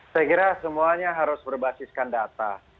saya kira semuanya harus berbasiskan data